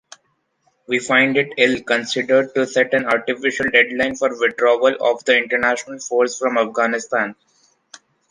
We find it ill-considered to set an artificial deadline for withdrawal of the international force from Afghanistan.